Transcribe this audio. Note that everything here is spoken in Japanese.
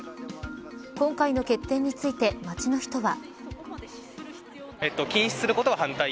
今回の決定について街の人は。